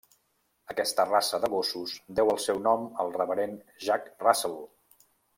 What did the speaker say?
Aquesta raça de gossos deu el seu nom al reverend Jack Russell.